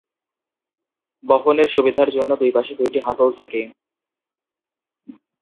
বহনের সুবিধার জন্য, দুই পাশে দুইটি হাতল থাকে।